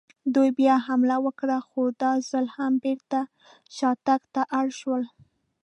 دوی بیا حمله وکړه، خو دا ځل هم بېرته شاتګ ته اړ شول.